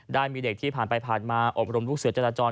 ได้มีเด็กที่ผ่านไปผ่านมาอบรมลูกเสือจราจร